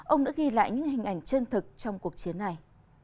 ông đã ghi lại những hình ảnh chân thực trong cuộc chiến này